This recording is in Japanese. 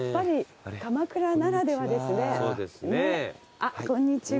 あっこんにちは。